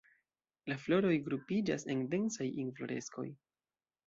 La floroj grupiĝas en densaj infloreskoj.